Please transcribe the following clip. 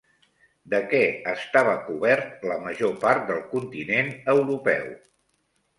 De què estava cobert la major part del continent europeu?